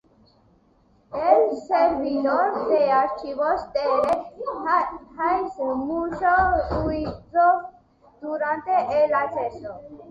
el servidor de archivos de red hace mucho ruido durante el acceso